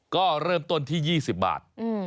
ก็เริ่มต้นที่ยี่สิบบาท